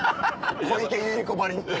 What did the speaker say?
小池百合子ばりに。